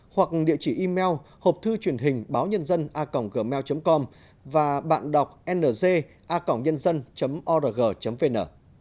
hoặc địa chỉ email hộp thư truyền hình báo nhân dân a gmail com và bạn đọc ng a ng org vn